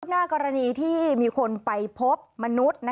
หน้ากรณีที่มีคนไปพบมนุษย์